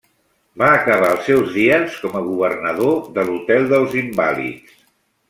Va acabar els seus dies com a governador de l'hotel dels invàlids.